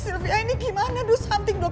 sylvia ini gimana dus hunting dong